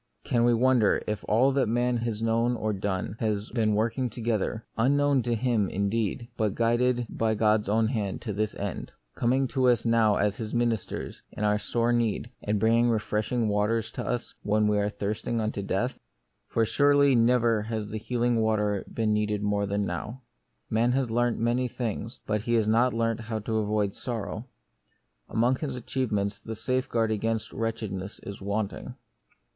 Can we wonder if all that man has known or done has been working together, unknown The Mystery of Pain. to him, indeed, but guided by God's hand, to this end : coming to us now as His ministers in our sore need, and bringing refreshing waters to us when we are thirsting unto death ? For surely never was the healing water needed more than now. Man has learnt many things, but he has not learnt how to avoid sorrow. Among his achievements the safeguard against wretchedness is wanting.